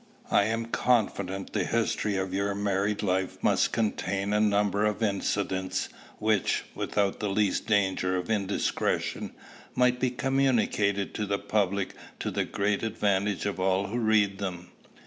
I am confident the history of your married life must contain a number of incidents which, without the least danger of indiscretion, might be communicated to the public to the great advantage of all who read them."